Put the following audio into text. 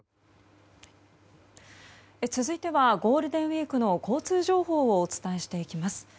続いてはゴールデンウィークの交通情報をお伝えしていきます。